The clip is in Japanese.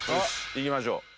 いきましょう。